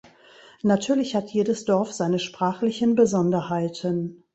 Natürlich hat jedes Dorf seine sprachlichen Besonderheiten.